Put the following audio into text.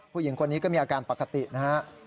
ผู้หญิงคนนี้ก็มีอาการปกตินะฮะ